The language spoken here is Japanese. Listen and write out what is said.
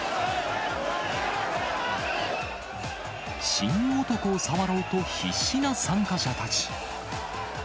神男を触ろうと、必死な参加者たち。